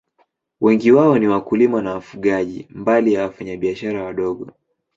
Wengi wao ni wakulima na wafugaji, mbali ya wafanyabiashara wadogo.